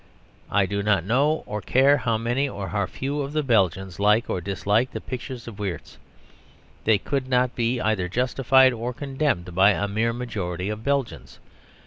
I do not know or care how many or how few of the Belgians like or dislike the pictures of Wiertz. They could not be either justified or condemned by a mere majority of Belgians.